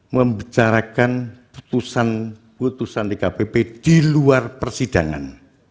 membicarakan putusan putusan dkpp di luar persidangan